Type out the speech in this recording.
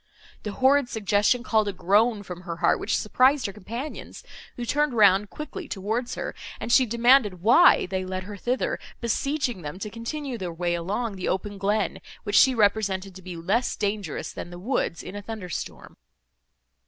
The horrid suggestion called a groan from her heart, which surprised her companions, who turned round quickly towards her, and she demanded why they led her thither, beseeching them to continue their way along the open glen, which she represented to be less dangerous than the woods, in a thunder storm.